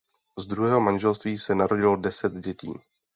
Z druhého manželství se narodilo deset dětí.